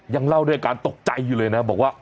ยังเล่าด้วยการตกใจเลยนะครับบอกว่า